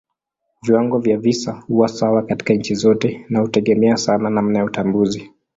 Viwango vya visa huwa sawa katika nchi zote na hutegemea sana namna ya utambuzi.